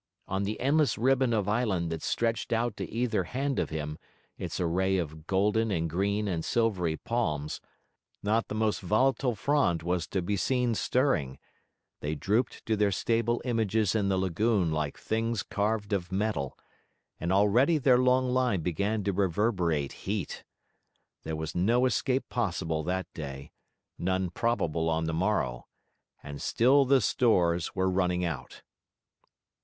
On the endless ribbon of island that stretched out to either hand of him its array of golden and green and silvery palms, not the most volatile frond was to be seen stirring; they drooped to their stable images in the lagoon like things carved of metal, and already their long line began to reverberate heat. There was no escape possible that day, none probable on the morrow. And still the stores were running out!